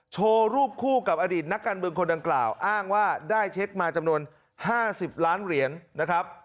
โชว์รูปคู่กับอดีตนักการเมืองคนดังกล่าวอ้างว่าได้เช็คมาจำนวน๕๐ล้านเหรียญนะครับ